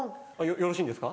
よろしいんですか？